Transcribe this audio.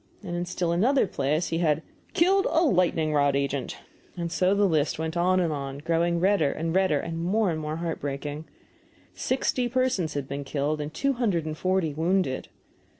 And in still another place he had "killed a lightning rod agent." And so the list went on, growing redder and redder, and more and more heartbreaking. Sixty persons had been killed, and two hundred and forty wounded.